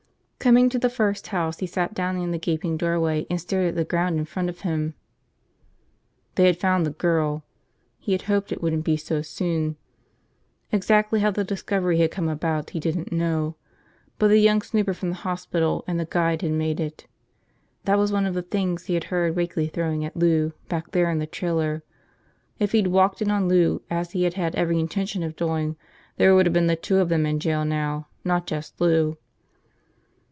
Coming to the first house he sat down in the gaping doorway and stared at the ground in front of him. They had found the girl. He had hoped it wouldn't be so soon. Exactly how the discovery had come about he didn't know, but the young snooper from the hospital and the guide had made it. That was one of the things he had heard Wakeley throwing at Lou, back there in the trailer. Lord, if he'd walked in on Lou as he had had every intention of doing, there would have been the two of them in jail now, not just Lou.